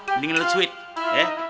mending lu switch